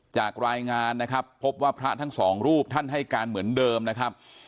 จากรายงานนะครับพบว่าพระทั้งสองรูปท่านให้การเหมือนเดิมนะครับ